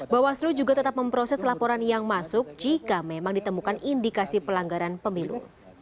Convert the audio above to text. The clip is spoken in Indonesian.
bawaslu juga tetap memproses laporan yang masuk jika memang ditemukan indikasi pelanggaran pemilu